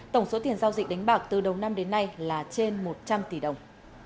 tổng số tiền giao dịch đánh bạc từ đầu năm đến nay là trên một trăm linh tỷ đồng